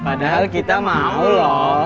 padahal kita mau loh